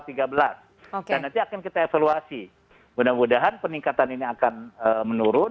nanti akan kita evaluasi mudah mudahan peningkatan ini akan menurun